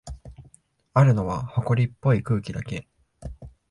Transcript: あるのは、ほこりっぽい空気だけ。